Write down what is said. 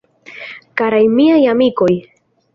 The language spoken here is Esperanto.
Karaj Miaj Amikoj!